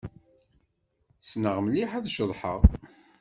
Ssneɣ mliḥ ad ceḍḥeɣ.